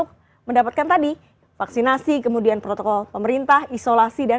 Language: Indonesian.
ini termasuk mendapatkan tadi vaksinasi kemudian protokol pemerintah isolasi dan penyakit pernapasan